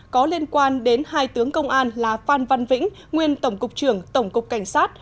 có liên quan đến hai tướng công an là phan văn vĩnh nguyên tổng cục trưởng tổng cục cảnh sát